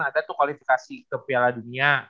ada tuh kualifikasi ke piala dunia